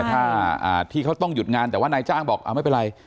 ถ้าที่เขาต้องหยุดงานแต่ว่านายจ้างบอกไม่เป็นไร